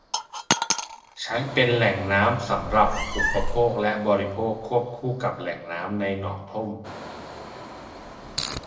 ใช้เป็นแหล่งน้ำสำหรับอุปโภคและบริโภคควบคู่กับแหล่งน้ำในหนองท่ม